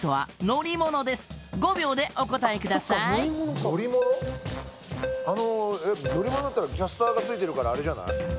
乗り物だったらキャスターがついてるからあれじゃない？